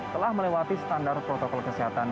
telah melewati standar protokol kesehatan